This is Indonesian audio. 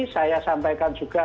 saya sampaikan juga